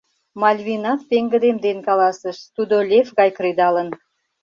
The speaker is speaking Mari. Мальвинат пеҥгыдемден каласыш: — Тудо лев гай кредалын.